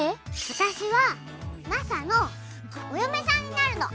私はマサのお嫁さんになるの！